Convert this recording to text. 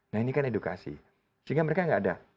nah ini kan edukasi sehingga mereka nggak ada